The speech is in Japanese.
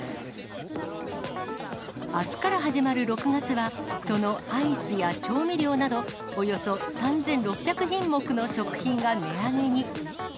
あすから始まる６月は、そのアイスや調味料など、およそ３６００品目の食品が値上げに。